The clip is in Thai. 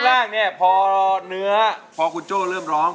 แสดงแสดง